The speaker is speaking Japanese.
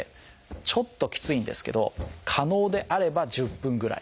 ちょっときついんですけど可能であれば１０分ぐらい。